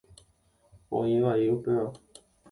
Oĩ vai upéva.